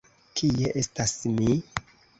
Kie estas mi?